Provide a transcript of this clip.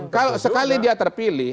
kalau sekali dia terpilih